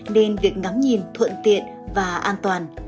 nên việc ngắm nhìn thuận tiện và an toàn